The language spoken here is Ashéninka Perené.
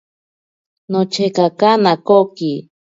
Nochekaka nakoki.